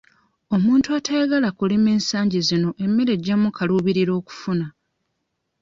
Omuntu atayagala kulima ensangi zino emmere ejja mmukaluubirira okufuna.